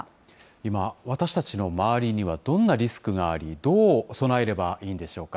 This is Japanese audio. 今、私たちの周りにはどんなリスクがあり、どう備えればいいんでしょうか。